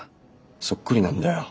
そっくりなんだよ